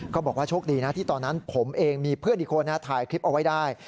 บอกว่าโชคดีนะที่ตอนนั้นผมเองมีเพื่อนอีกคนถ่ายคลิปเอาไว้ได้